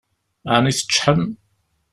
Ɛni teččḥem?